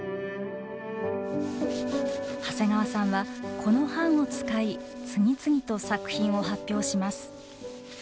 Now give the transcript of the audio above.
長谷川さんはこの版を使い次々と作品を発表します。